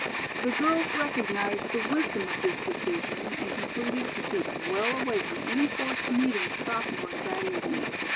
The girls recognized the wisdom of this decision and concluded to keep well away from any forced meeting of sophomores that evening.